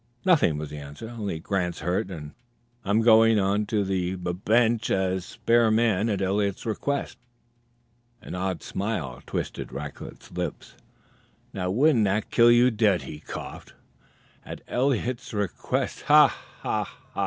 "Nothing," was the answer, "only Grant's hurt, and I'm going onto the bub bench as spare man at Eliot's request." An odd smile twisted Rackliff's lips. "Now wouldn't that kill you dead!" he coughed. "At Eliot's request! Ha! ha! ha!